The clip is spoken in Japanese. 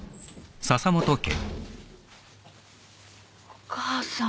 お母さん。